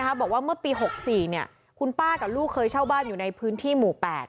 บอกว่าเมื่อปี๖๔คุณป้ากับลูกเคยเช่าบ้านอยู่ในพื้นที่หมู่๘